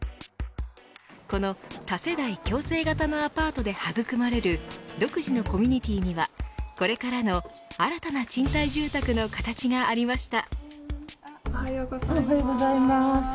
この、多世代共生型のアパートで育まれる独自のコミュニティーにはこれからの新たな賃貸住宅の形がありました。